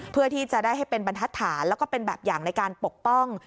เพื่อที่จะได้ให้เป็นบรรทัศน์แล้วก็เป็นแบบอย่างในการปกป้อง